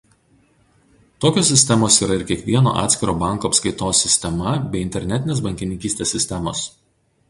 Tokios sistemos yra ir kiekvieno atskiro banko apskaitos sistema bei internetinės bankininkystės sistemos.